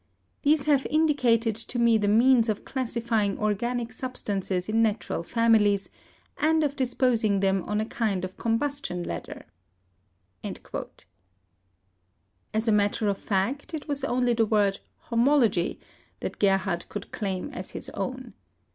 VALENCE 243 ... These have indicated to me the means of classify ing organic substances in natural families, and of dis posing them on a kind of combustion ladder." As a mat ter of fact, it was only the word "homology" that Gerhardt could claim as his own.